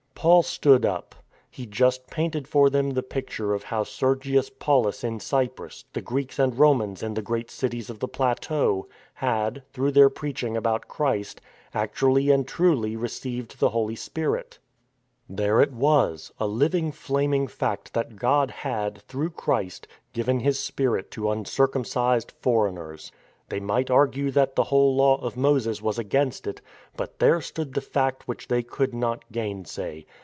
Paul stood up. He just painted for them the picture of how Sergius Paulus in Cyprus, the Greeks and 160 THE FORWARD TREAD • Romans in the great cities of the plateau, had, through their preaching about Christ, actually and truly re ceived the Holy Spirit. There it was — a living flaming fact that God had, through Christ, given His Spirit to uncircumcised foreigners. They might argue that the whole Law of Moses was against it, but there stood the Fact which they could not gainsay.